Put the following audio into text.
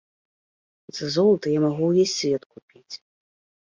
За золата я магу ўвесь свет купіць.